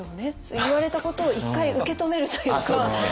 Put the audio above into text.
言われたことを一回受け止めるというか。